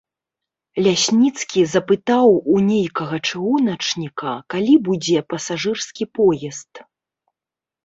Лясніцкі запытаў у нейкага чыгуначніка, калі будзе пасажырскі поезд.